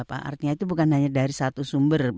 artinya itu bukan hanya dari satu sumber